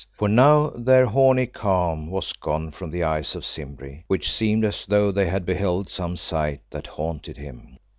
For now their horny calm was gone from the eyes of Simbri, which seemed as though they had beheld some sight that haunted him.